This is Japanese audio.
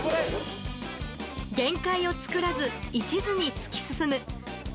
限界を作らず、いちずに突き進む。